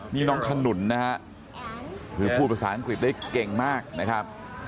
นี่น้องขนุนนะฮะคือพูดภาษาอังกฤษได้เก่งมากนะครับ